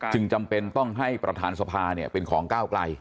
จำเป็นต้องให้ประธานสภาเป็นของก้าวไกล